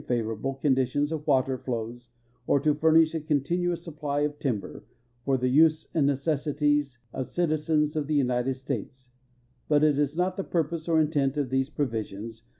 ivoral)le conditions of water flows, or to furnish a continuous supply of timher for the use and necessities of citizens of the United States; but it is not the pur|Hise or intent of these provisions